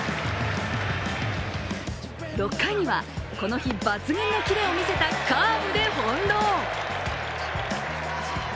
６回にはこの日抜群の切れを見せたカーブで翻弄。